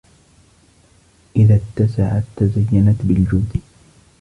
إذَا اتَّسَعْتُ تَزَيَّنَتْ بِالْجُودِ